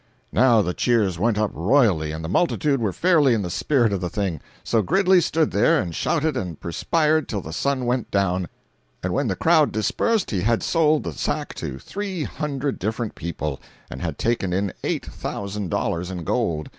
Now the cheers went up royally, and the multitude were fairly in the spirit of the thing. So Gridley stood there and shouted and perspired till the sun went down; and when the crowd dispersed he had sold the sack to three hundred different people, and had taken in eight thousand dollars in gold.